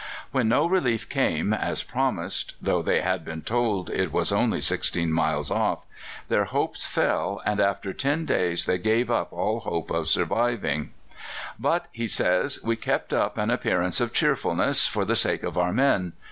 When no relief came, as promised though they had been told it was only sixteen miles off their hopes fell, and after ten days they gave up all hope of surviving. "But," he says, "we kept up an appearance of cheerfulness for the sake of our men.